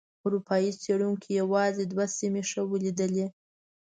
اروپایي څېړونکو یوازې دوه سیمې ښه ولیدلې.